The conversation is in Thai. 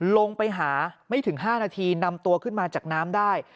ลงไปหาไม่ถึง๕นาทีนำตัวขึ้นมาจากน้ำได้